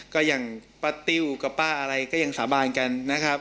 ก็อย่างป้าติ้วกับป้าอะไรก็ยังสาบานกันนะครับ